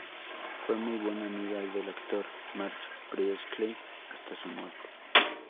Fue muy buena amiga del actor Mark Priestley, hasta su muerte.